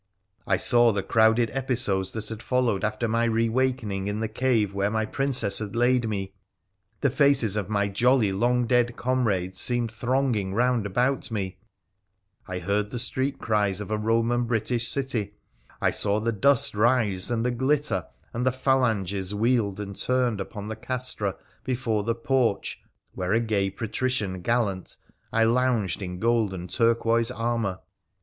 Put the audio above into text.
I saw the crowded episodes that had followed after my rewakening in the cave where my princess had laid me ; the faces of my jolly long dead comrades seemed thronging round about me ; I heard the street cries of a Eoman British city ; I saw the dust rise, and the glitter as the phalanges wheeled and turned upon the castra before the porch where, a gay patrician gallant, I lounged in gold and turquoise armour.